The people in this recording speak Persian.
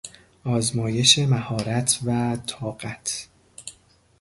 آزمایش مهارت و طاقت